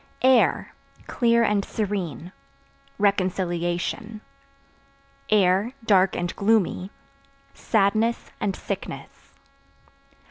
Air (Clear and serene) reconciliation; (dark and gloomy) sadness and sickness.